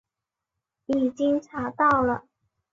已经查到了